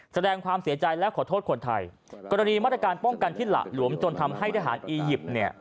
แสดงความเสียใจและขอโทษคนไทยกรณีมาตรการป้องกันที่หละหลวมจนทำให้ทหารอียิปต์เนี่ย